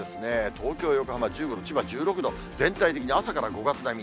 東京、横浜１５度、千葉１６度、全体的に朝から５月並み。